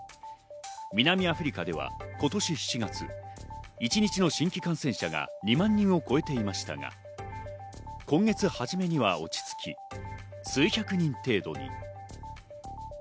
南アフリカでは今年７月、一日の新規感染者が２万人を超えていましたが、今月初めには落ち着き、数百人程度に。